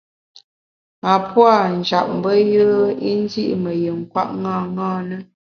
A puâ’ njap mbe yùe i ndi’ ṅi me yin kwet ṅaṅâ na.